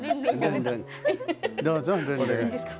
どうぞ。